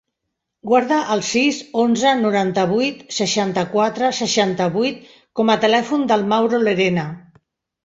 Guarda el sis, onze, noranta-vuit, seixanta-quatre, seixanta-vuit com a telèfon del Mauro Lerena.